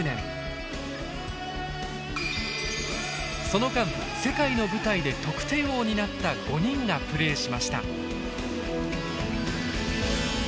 その間世界の舞台で得点王になった５人がプレーしました。